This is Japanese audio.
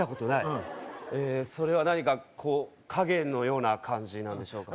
うんそれは何かこう影のような感じなんでしょうか？